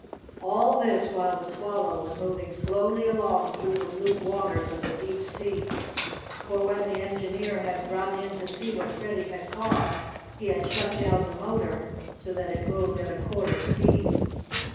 All this while the Swallow was moving slowly along through the blue waters of the deep sea, for when the engineer had run in to see what Freddie had caught he had shut down the motor so that it moved at a quarter speed.